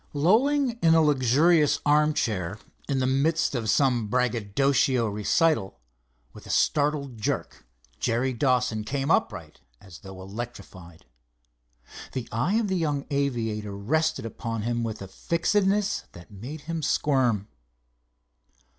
Lolling in a luxurious armchair in the midst of some braggadocio recital, with a startled jerk Jerry Dawson came upright as though electrified. The eye of the young aviator rested upon him with a fixedness that made him squirm.